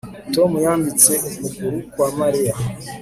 Tom yambitse ukuguru kwa Mariya